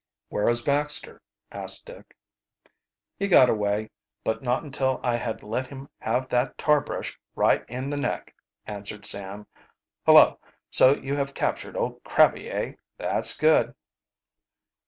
"Where is Baxter?" asked Dick. "He got away, but not until I had let him have that tar brush right in the neck," answered Sam. "Hullo, so you have captured old Crabby, eh? That's good."